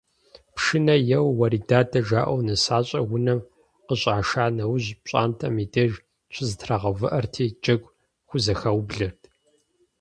Пшынэ еуэу, уэредадэ жаӀэу нысащӀэр унэм къыщӀаша нэужь пщӀантӀэм и деж щызэтрагъэувыӀэрти, джэгу хузэхаублэрт.